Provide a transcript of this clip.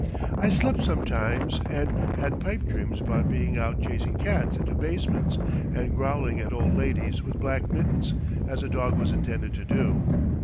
I slept sometimes and had pipe dreams about being out chasing cats into basements and growling at old ladies with black mittens, as a dog was intended to do.